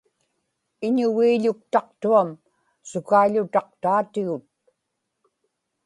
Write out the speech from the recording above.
iñugiiḷuktaqtuam sukaiḷutaqtaatigut